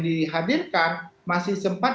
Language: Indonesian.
dihadirkan masih sempat